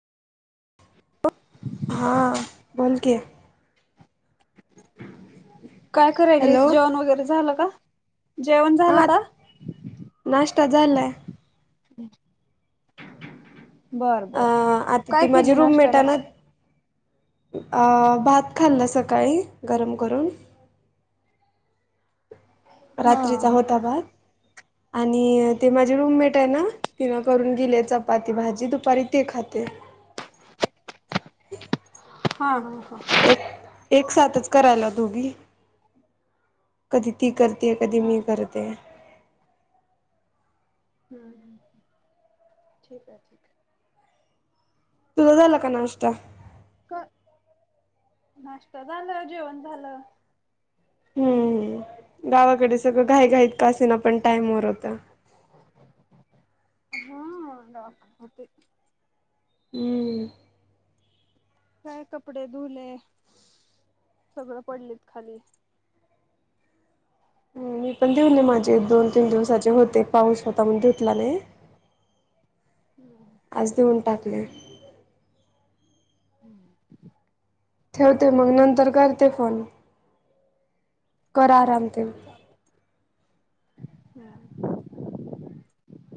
व हा बोल कि.. काय करायलस हॅलो जेवण वगैरे झालं का. जेवण झालं का. आता झाला. बर अ बर आता ती काय माझी केली नाश्त्याला. रूममेटान अ भात खाल्ला सकाळी गरम करून. हा रात्रीचा हा होता भात. आणि ते माझे रूममेट आहे ना तिन करून गेले चपाती भाजी दुपारी ते खाते. ह हा हा हा एक साथच करायला दोघी. कधी ती कर. ते कधी मी हा करते. हम्म हम् ठीक आहे ठीक आहे. तुझं झालं का नाश्ता. कर नाष्टा झालं जेवण झालं. हम्मम् गावाकडेच. सगळं घाईघाईत का असेना पण टाईम वर होतं. हा डॉक्टर होते. हम्म काय कपडे धुले सगळं पडलीत खाली. मी पण धुले माझे दोन तीन दिवसाचे होते. ते पाऊस होता म्हण धुतला नाही आज देऊन टाक. ते. हम्म,. ठेवते मग नंतर करते फोन. कर हो आराम करा ते. हम्.